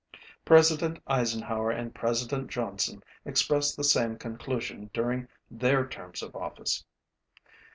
1 President Eisenhower and President Johnson expressed the same conclusion during their terms of office.